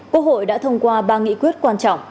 quốc hội đã thông qua ba nghị quyết quan trọng